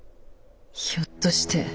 ひょっとして？